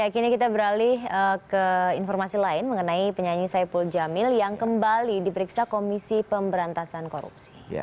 kini kita beralih ke informasi lain mengenai penyanyi saipul jamil yang kembali diperiksa komisi pemberantasan korupsi